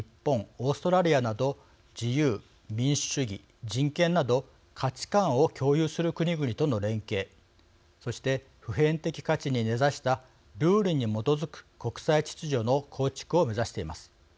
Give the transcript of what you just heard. オーストラリアなど自由民主主義人権など価値観を共有する国々との連携そして普遍的価値に根ざしたルールに基づく国際秩序の構築を目指しています。